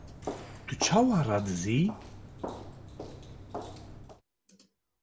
Tu çawa radizî?!